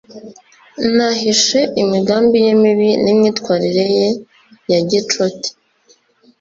yahishe imigambi ye mibi n'imyitwarire ye ya gicuti